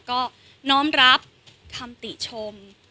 ก็น้อมรับคำติชม